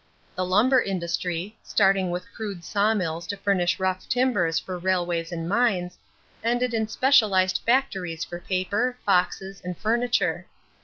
The lumber industry, starting with crude sawmills to furnish rough timbers for railways and mines, ended in specialized factories for paper, boxes, and furniture.